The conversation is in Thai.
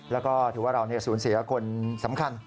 และก็ถือว่าเรามีศูนย์เสียคนสำคัญ